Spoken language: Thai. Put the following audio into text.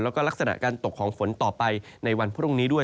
แล้วก็ลักษณะการตกของฝนต่อไปในวันพรุ่งนี้ด้วย